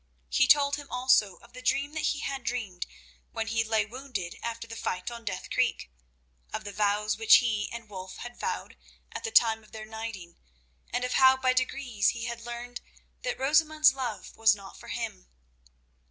He told him also of the dream that he had dreamed when he lay wounded after the fight on Death Creek; of the vows which he and Wulf had vowed at the time of their knighting, and of how by degrees he had learned that Rosamund's love was not for him.